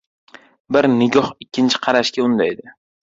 • Bir nigoh ikkinchi qarashga undaydi.